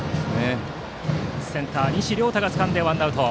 センター、西稜太がつかんでワンアウト。